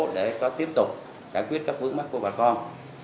để có tiếp tục giải quyết các vướng mắt của bà con